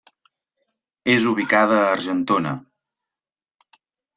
És ubicada a Argentona.